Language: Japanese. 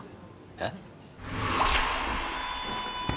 えっ？